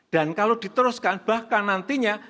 dan kalau diteruskan bahkan nantinya